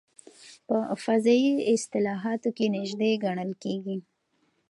په فضایي اصطلاحاتو کې نژدې ګڼل کېږي.